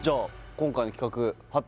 今回の企画発表